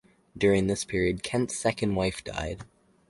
During this period, Kent's second wife died.